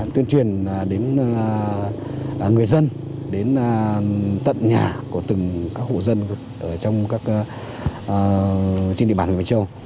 tuyên truyền đến người dân đến tận nhà của từng các hộ dân ở trong các trên địa bàn huyện mai châu